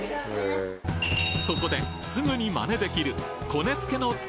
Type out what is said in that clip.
そこですぐに真似できる！